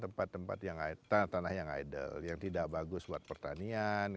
tempat tempat yang tanah yang idol yang tidak bagus buat pertanian